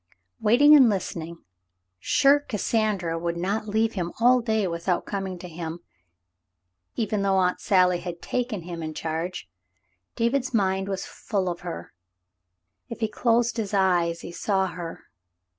Waiting and listening, sure Cassandra would not leave him all day without coming to him, even though Aunt Sally had taken him in charge, David's mind was full of her. If he closed his eyes, he saw her.